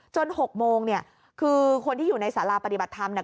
๖โมงเนี่ยคือคนที่อยู่ในสาราปฏิบัติธรรมเนี่ย